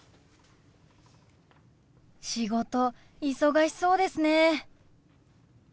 仕事忙しそうですね。